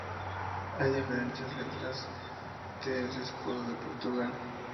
Hay diferentes lecturas del escudo de Portugal.